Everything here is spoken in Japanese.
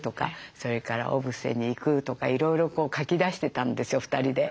それから小布施に行くとかいろいろこう書き出してたんですよ２人で。